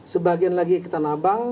sebagian lagi ke tanah abang